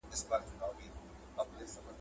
اموخته چي په وړیا غوښو خواران وه